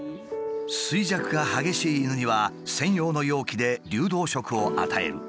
衰弱が激しい犬には専用の容器で流動食を与える。